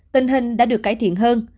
tình hình đã được cải thiện hơn